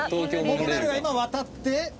モノレールが今渡って。